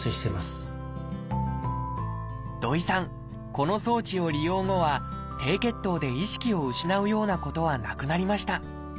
この装置を利用後は低血糖で意識を失うようなことはなくなりました